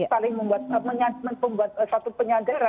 saling membuat satu penyadaran bahwa jangan sampai kita terturut